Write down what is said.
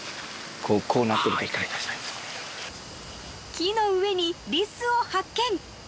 ［木の上にリスを発見］